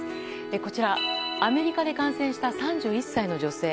こちらアメリカで感染した３１歳の女性。